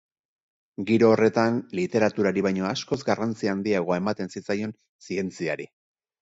Giro horretan, literaturari baino askoz garrantzi handiagoa ematen zitzaion zientziari.